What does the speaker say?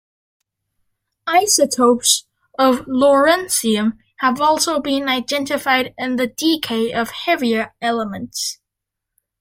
Isotopes of lawrencium have also been identified in the decay of heavier elements.